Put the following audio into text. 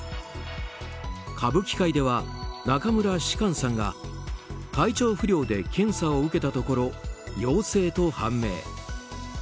歌舞伎界では中村芝翫さんが体調不良で検査を受けたところ陽性と判明。